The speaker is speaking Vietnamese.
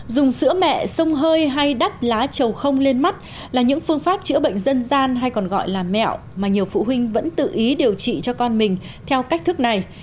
dùng sữa mẹ sông hơi hay đắp lá trầu không lên mắt là những phương pháp chữa bệnh dân gian hay còn gọi là mẹo mà nhiều phụ huynh vẫn tự ý điều trị cho con mình theo cách thức này